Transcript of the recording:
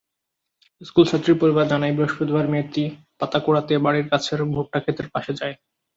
স্কুলছাত্রীর পরিবার জানায়, বৃহস্পতিবার মেয়েটি পাতা কুড়াতে বাড়ির কাছের ভুট্টাখেতের পাশে যায়।